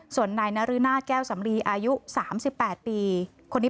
ส่วนนายนรหน้าแก้วสำลีอายุ๓๘ปี